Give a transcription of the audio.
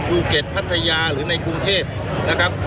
ภูเก็ตพัทยาหรือในกรุงเทพนะครับ